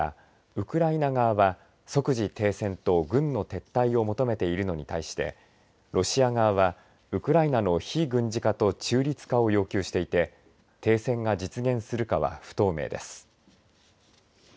ただウクライナ側は即時停戦と軍の撤退を求めているのに対してロシア側はウクライナの非軍事化と中立化を要求していて停戦が実現するかは不透明です。